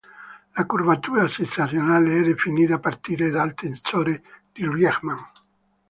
La curvatura sezionale è definita a partire dal tensore di Riemann.